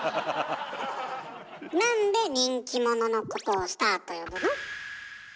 なんで人気者のことをスターと呼ぶの？